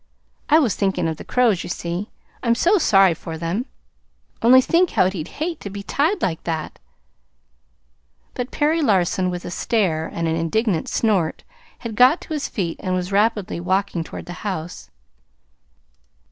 I was thinking of the crows, you see. I'm so sorry for them! Only think how we'd hate to be tied like that " But Perry Larson, with a stare and an indignant snort, had got to his feet, and was rapidly walking toward the house.